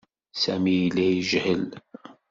Sami yella yejhel.